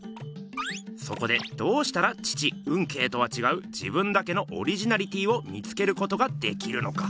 そこでどうしたら父運慶とはちがう自分だけのオリジナリティーを見つけることができるのか。